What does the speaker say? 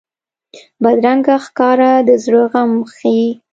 بدرنګه ښکاره د زړه غم ښيي